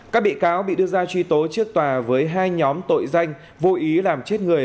các bị cáo bị đưa ra truy tố trước tòa với hai nhóm tội danh vô ý làm chết người